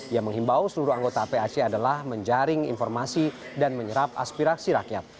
yang menghimbau seluruh anggota pac adalah menjaring informasi dan menyerap aspirasi rakyat